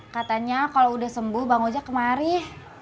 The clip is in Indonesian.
katanya kalo udah sembuh bang ojak kemarin